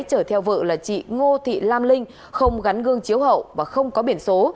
chở theo vợ là chị ngô thị lam linh không gắn gương chiếu hậu và không có biển số